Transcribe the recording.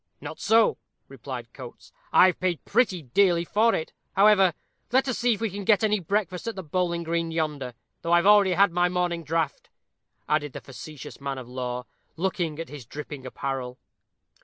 "Not so," replied Coates; "I've paid pretty dearly for it. However, let us see if we can get any breakfast at the Bowling green, yonder; though I've already had my morning draught," added the facetious man of law, looking at his dripping apparel.